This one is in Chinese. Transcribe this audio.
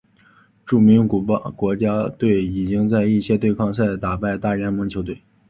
著名古巴国家队已经在一些对抗赛中打败大联盟球队。